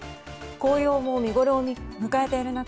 紅葉も見ごろを迎えている中